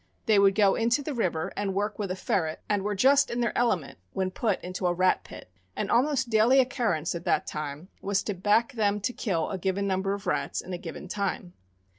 They would go into the river and work with a ferret, and were just in their element when put into a rat pit. An almost daily occurrence, at that time, was to back them to kill a given number of rats in a given time.